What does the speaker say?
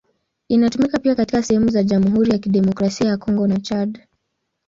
Inatumika pia katika sehemu za Jamhuri ya Kidemokrasia ya Kongo na Chad.